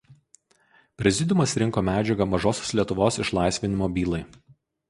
Prezidiumas rinko medžiagą Mažosios Lietuvos išlaisvinimo bylai.